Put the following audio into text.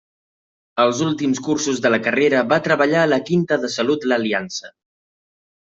Els últims cursos de la carrera va treballar a la Quinta de Salut l'Aliança.